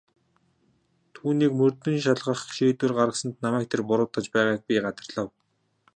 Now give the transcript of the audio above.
Түүнийг мөрдөн шалгах шийдвэр гаргасанд намайг тэр буруутгаж байгааг би гадарлаж байв.